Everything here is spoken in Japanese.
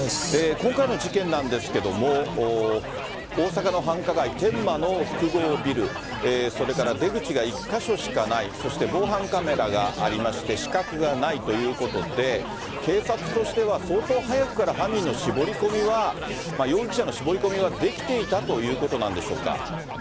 今回の事件なんですけれども、大阪の繁華街、天満の複合ビル、それから出口が１か所しかない、そして防犯カメラがありまして、死角がないということで、警察としては相当早くから犯人の絞り込みは、容疑者の絞り込みはできていたということなんでしょうか。